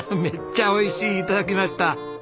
めっちゃおいしい頂きました。